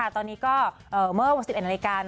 ตอนนี้ก็เมื่อวัน๑๑นาฬิกา